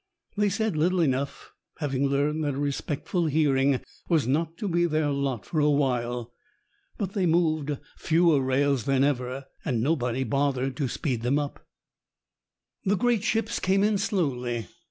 They said little enough, having learned that a respectful hearing was not to be their lot for a while. But they moved fewer rails than ever, and nobody bothered to speed them up. The great ships came in slowly.